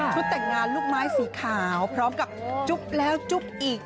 แต่งงานลูกไม้สีขาวพร้อมกับจุ๊บแล้วจุ๊บอีก